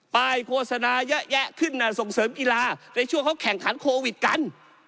โฆษณาเยอะแยะขึ้นส่งเสริมกีฬาในช่วงเขาแข่งขันโควิดกัน